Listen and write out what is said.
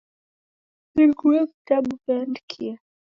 Nigue vitabu veandikia.